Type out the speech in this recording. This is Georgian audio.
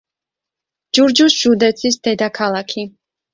ჯურჯუს ჟუდეცის დედაქალაქი.